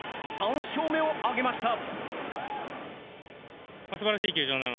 ３勝目を挙げました。